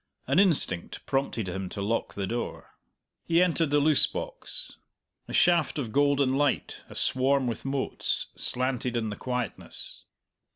An instinct prompted him to lock the door. He entered the loose box. A shaft of golden light, aswarm with motes, slanted in the quietness.